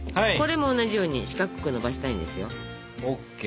これも同じように四角くのばしたいんですよ。